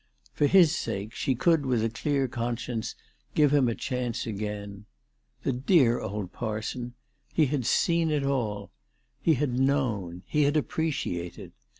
For his sake, she could with a clear conscience give him a chance again. The dear old parson ! He had seen it all. He had known. He had appreciated.